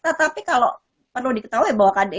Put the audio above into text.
tetapi kalau perlu diketahui bahwa kdr